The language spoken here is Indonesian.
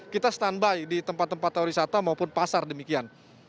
kita standby di tempat tempat pariwisata maupun pasar demikian